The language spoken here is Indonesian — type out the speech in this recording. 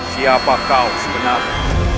siapa kau sebenarnya